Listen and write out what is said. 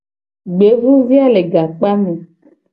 Gbevuvia le gakpame.